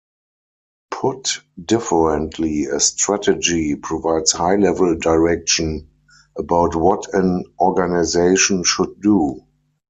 Put differently, a strategy provides high-level direction about what an organization should do.